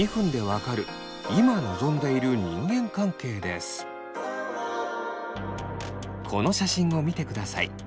まずはこの写真を見てください。